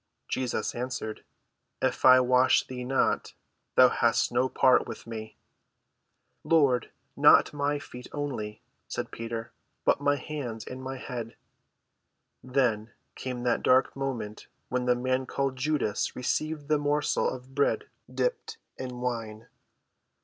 Jesus answered, "If I wash thee not, thou hast no part with me." "Lord, not my feet only," said Peter, "but my hands and my head." Then came that dark moment when the man called Judas received the morsel of bread dipped in wine.